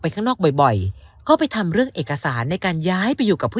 ข้างนอกบ่อยก็ไปทำเรื่องเอกสารในการย้ายไปอยู่กับผู้